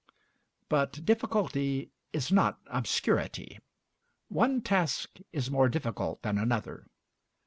But difficulty is not obscurity. One task is more difficult than another.